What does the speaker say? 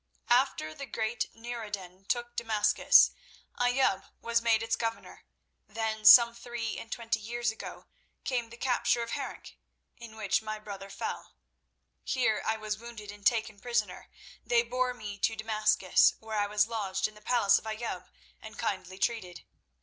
After the great Nur ed din took Damascus, Ayoub was made its governor; then some three and twenty years ago came the capture of Harenc, in which my brother fell. Here I was wounded and taken prisoner. They bore me to Damascus, where I was lodged in the palace of Ayoub and kindly treated.